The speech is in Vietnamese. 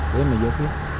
để mà vô phía